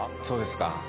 そうですか。